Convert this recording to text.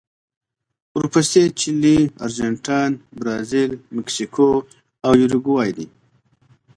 ورپسې چیلي، ارجنټاین، برازیل، مکسیکو او یوروګوای دي.